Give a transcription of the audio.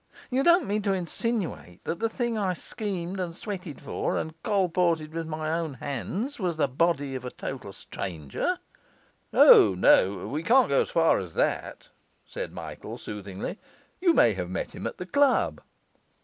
You don't mean to insinuate that thing I schemed and sweated for, and colported with my own hands, was the body of a total stranger?' 'O no, we can't go as far as that,' said Michael soothingly; 'you may have met him at the club.